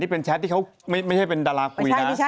แต่อันนี้ไม่ใช่แบบเป็นดราคุยนะ